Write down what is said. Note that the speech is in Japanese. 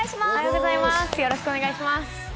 よろしくお願いします。